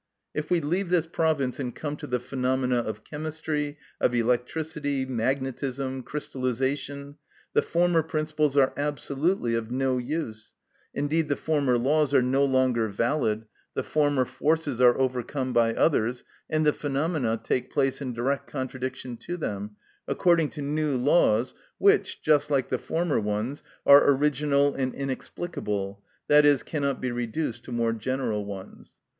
If we leave this province and come to the phenomena of chemistry, of electricity, magnetism, crystallisation, the former principles are absolutely of no use, indeed the former laws are no longer valid, the former forces are overcome by others, and the phenomena take place in direct contradiction to them, according to new laws, which, just like the former ones, are original and inexplicable, i.e., cannot be reduced to more general ones.